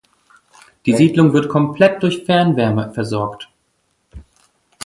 Die Siedlung wird komplett durch Fernwärme versorgt.